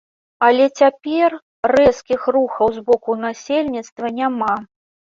Але цяпер рэзкіх рухаў з боку насельніцтва няма.